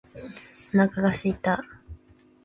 お腹が空いた